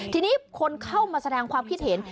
ทีนี้คนเข้ามาแสดงความคิดเห็น